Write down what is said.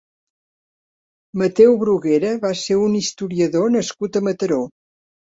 Mateu Bruguera va ser un historiador nascut a Mataró.